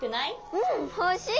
うんほしい！